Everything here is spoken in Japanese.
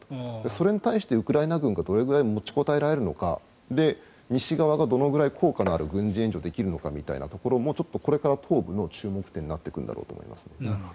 それに対してウクライナ軍がどれぐらい持ちこたえられるのか西側がどのぐらい効果のある軍事援助ができるかもこれから東部の注目点になってくると。